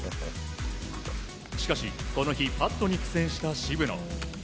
しかし、この日パットに苦戦した渋野。